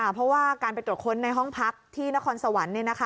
เพราะว่าการไปตรวจค้นในห้องพักที่นครสวรรค์